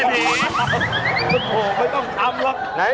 ไม่ต้องทำหรอก